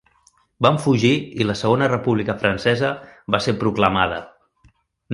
Van fugir i la Segona República Francesa va ser proclamada.